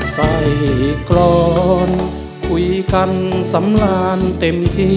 ใส่กรอนคุยกันสำราญเต็มที่